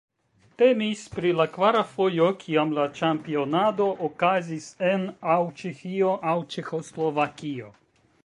Temis pri la kvara fojo kiam la ĉampionado okazis en aŭ Ĉeĥio aŭ Ĉeĥoslovakio.